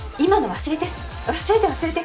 忘れて忘れて。